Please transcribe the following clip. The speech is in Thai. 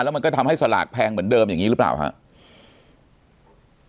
แล้วมันก็ทำให้สลากแพงเหมือนเดิมอย่างนี้หรือเปล่าครับ